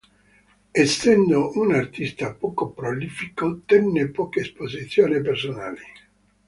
Essendo un artista poco prolifico tenne poche esposizioni personali.